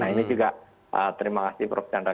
nah ini juga terima kasih prof chandra